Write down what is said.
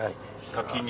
滝に。